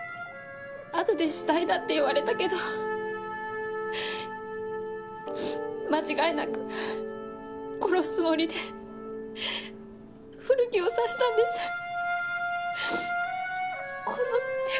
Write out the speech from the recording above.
あとで死体だって言われたけど間違いなく殺すつもりで古木を刺したんです。